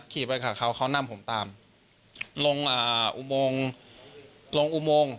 ไปกับเขาเขานำผมตามลงอ่าอุโมงลงอุโมง